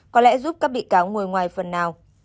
có lẽ giúp các bị cáo ngồi ngoài phần nào